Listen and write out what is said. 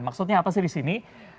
maksudnya apa sih di sini